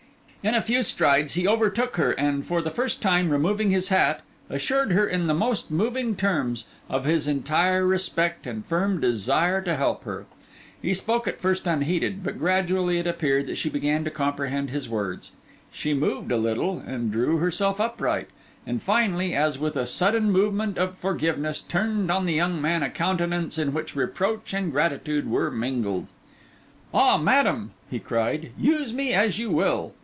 In a few strides he overtook her and, for the first time removing his hat, assured her in the most moving terms of his entire respect and firm desire to help her. He spoke at first unheeded; but gradually it appeared that she began to comprehend his words; she moved a little, and drew herself upright; and finally, as with a sudden movement of forgiveness, turned on the young man a countenance in which reproach and gratitude were mingled. 'Ah, madam,' he cried, 'use me as you will!